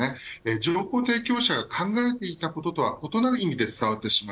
情報提供者が考えていたこととは異なる意味で伝わってしまう。